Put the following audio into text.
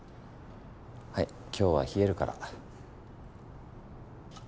はい今日は冷えるから。